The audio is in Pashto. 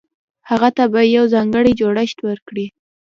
هغه ته به يو ځانګړی جوړښت ورکړي.